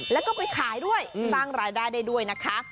แล้วก็ไปขายด้วยสร้างรายได้ได้ด้วยนะคะ